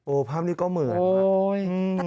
โอ้ภาพนี้ก็เหมือนค่ะอุ้ยอืมอืมอืมอืมอืม